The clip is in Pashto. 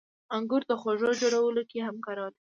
• انګور د خوږو جوړولو کې هم کارول کېږي.